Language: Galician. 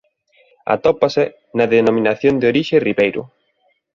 Atópase na Denominación de Orixe Ribeiro.